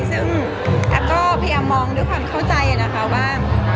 ซึ่งแอฟก็พยายามมองด้วยความเข้าใจนะคะว่า